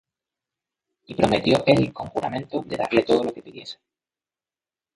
Y prometió él con juramento de darle todo lo que pidiese.